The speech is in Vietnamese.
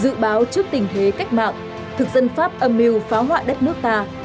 dự báo trước tình thế cách mạng thực dân pháp âm mưu phá hoại đất nước ta